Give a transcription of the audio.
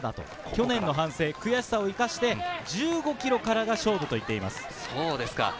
去年の反省、悔しさを生かして１５ｋｍからが勝負と言っています。